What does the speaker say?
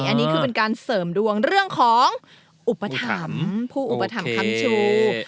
อันนี้คือเป็นการเสริมดวงเรื่องของอุปถัมภ์ผู้อุปถัมภัมชู